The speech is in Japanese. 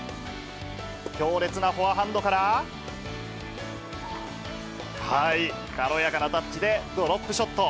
強烈なフォアハンドから、軽やかなタッチでドロップショット。